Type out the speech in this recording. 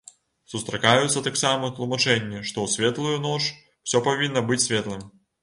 Сустракаюцца таксама тлумачэнні, што ў светлую ноч усё павінна быць светлым.